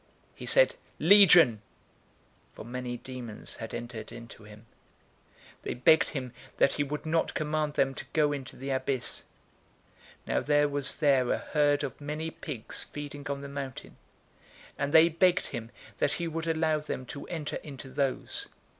He said, "Legion," for many demons had entered into him. 008:031 They begged him that he would not command them to go into the abyss. 008:032 Now there was there a herd of many pigs feeding on the mountain, and they begged him that he would allow them to enter into those.